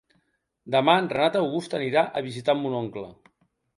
Demà en Renat August anirà a visitar mon oncle.